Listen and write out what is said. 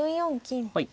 はい。